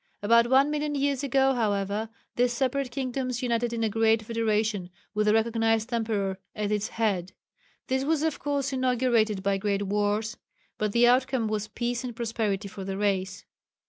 About one million years ago, however, these separate kingdoms united in a great federation with a recognized emperor at its head. This was of course inaugurated by great wars, but the outcome was peace and prosperity for the race.